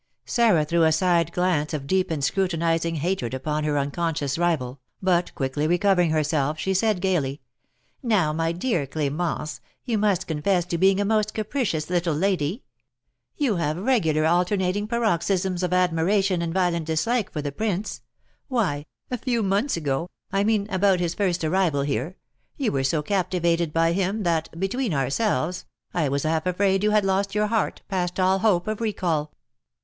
Sarah threw a side glance of deep and scrutinising hatred upon her unconscious rival, but, quickly recovering herself, she said, gaily: "Now, my dear Clémence, you must confess to being a most capricious little lady; you have regular alternating paroxysms of admiration and violent dislike for the prince; why, a few months ago, I mean about his first arrival here, you were so captivated by him, that, between ourselves, I was half afraid you had lost your heart past all hope of recall."